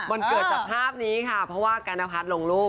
มันเกิดจากภาพนี้ค่ะเพราะว่ากัณพัฒน์ลงรูป